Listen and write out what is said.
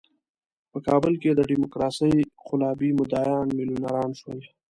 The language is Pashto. په کابل کې د ډیموکراسۍ قلابي مدعیان میلیونران شول.